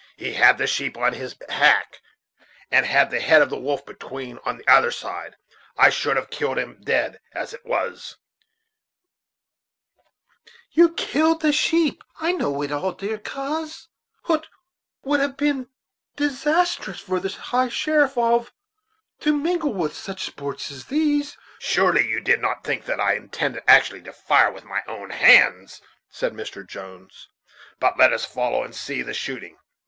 "He had the sheep on his hack; and, had the head of the wolf been on the other side, I should have killed him dead; as it was " "You killed the sheep I know it all, dear coz. Hut would it have been decorous for the High Sheriff of to mingle in such sports as these?" "Surely you did not think that I intended actually to fire with my own hands?" said Mr. Jones. "But let us follow, and see the shooting.